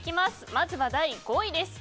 まずは第５位です。